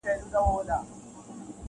ماته مه راځه خزانه زه پخوا یم رژېدلی -